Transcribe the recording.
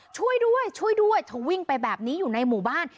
ช่วยด้วยช่วยด้วยเธอวิ่งไปแบบนี้อยู่ในหมู่บ้าน